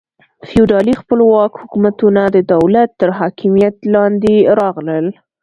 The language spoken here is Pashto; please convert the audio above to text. فیوډالي خپلواک حکومتونه د دولت تر حاکمیت لاندې راغلل.